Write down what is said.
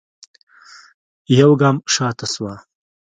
يوګام شاته سوه.